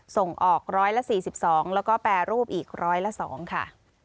ส่งออก๑๔๒แล้วก็แปรรูปอีกร้อยละ๒ค่ะ